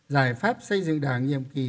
giải pháp xây dựng đảng nhiệm kỳ